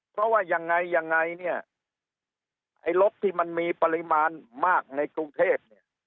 เพราะว่ายังไงยังไงเนี่ยไอ้รถที่มันมีปริมาณมากในกรุงเทพเนี่ย